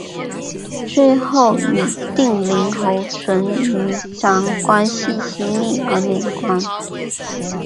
最后与定陵侯淳于长关系亲密而免官。